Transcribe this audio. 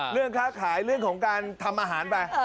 เรื่องค้าขายเรื่องของการทำอาหารไป